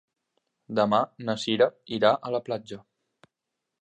Demà na Cira irà a la platja.